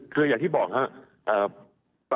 คืออย่างที่บอกครับ